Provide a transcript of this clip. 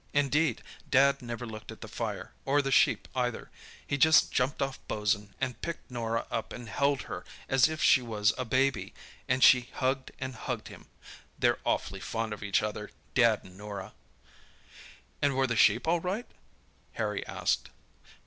Indeed, Dad never looked at the fire, or the sheep either. He just jumped off Bosun, and picked Norah up and held her as if she was a baby, and she hugged and hugged him. They're awfully fond of each other, Dad and Norah." "And were the sheep all right?" Harry asked.